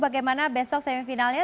bagaimana besok semifinalnya